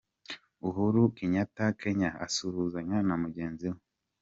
Uhuru Kenyattwa Kenya asuhuzanya na mugenzi we.